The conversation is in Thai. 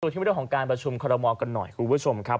สู่ที่วิดีโอของการประชุมคอลโลมอกันหน่อยคุณผู้ชมครับ